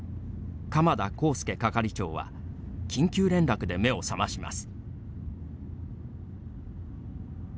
鎌田晃輔係長は緊急連絡で目を覚まします。